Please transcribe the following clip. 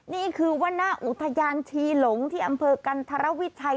นี่คือว่าณอุทยานทรีลงที่อำเภอกันธรวิทย์ไทย